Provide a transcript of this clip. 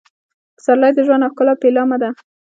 پسرلی د ژوند او ښکلا پیلامه ده.